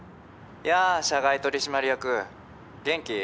やあ社外取締役元気？